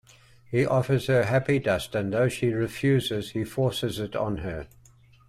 He offers her happy dust, and though she refuses, he forces it on her.